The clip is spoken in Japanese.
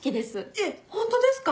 えっホントですか？